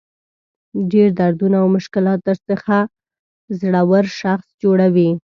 ډېر دردونه او مشکلات درڅخه زړور شخص جوړوي.